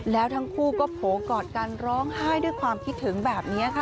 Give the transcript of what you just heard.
แล้วทั้งคู่ก็โผล่กอดกันร้องไห้ด้วยความคิดถึงแบบนี้ค่ะ